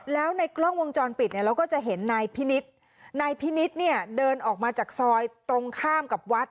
แล้วในกล้องวงจรปิดเนี่ยเราก็จะเห็นนายพินิษฐ์นายพินิษฐ์เนี่ยเดินออกมาจากซอยตรงข้ามกับวัด